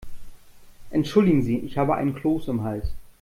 Entschuldigen Sie, ich habe einen Kloß im Hals.